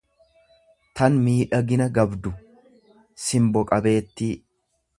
Tan miidhagina gabdu, simbo qabeettii.